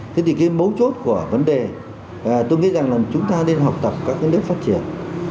thế thì cái mấu chốt của vấn đề tôi nghĩ rằng là chúng ta nên học tập các cái nước phát triển